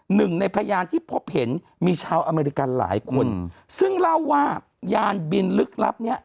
หนึ่งในพยานที่พบเห็นมีชาวอเมริกันหลายคนซึ่งเล่าว่ายานบินลึกลับเนี้ย